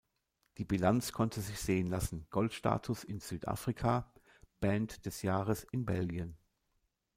Die Bilanz konnte sich sehen lassen: Goldstatus in Südafrika, „Band des Jahres“ in Belgien.